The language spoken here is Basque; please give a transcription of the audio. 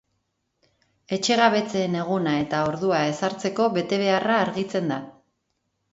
Etxegabetzeen eguna eta ordua ezartzeko betebeharra argitzen da.